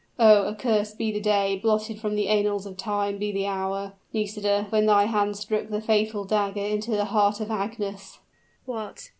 "Oh! accursed be the day, blotted from the annals of Time be the hour, Nisida, when thy hand struck the fatal dagger into the heart of Agnes." "What!